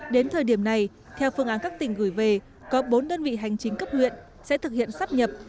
đến thời điểm này theo phương án các tỉnh gửi về có bốn đơn vị hành chính cấp huyện sẽ thực hiện sắp nhập